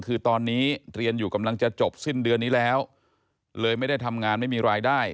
คือตอนนี้เรียนอยู่กำลังจะจบสิ้นเดือนนี้แล้วเลยไม่ได้ทำงานไม่มีรายได้